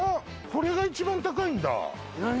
これが一番高いんだ何？